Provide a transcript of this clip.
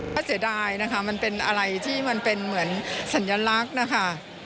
ก็เสียดายนะคะมันเป็นอะไรที่มันเป็นเหมือนสัญลักษณ์นะคะ